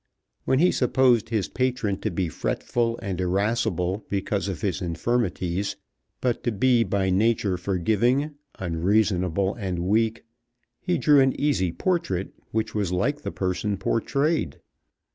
When he supposed his patron to be fretful and irascible because of his infirmities, but to be by nature forgiving, unreasonable, and weak, he drew an easy portrait, which was like the person portrayed.